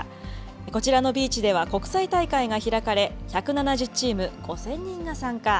こちらのビーチでは、国際大会が開かれ、１７０チーム、５０００人が参加。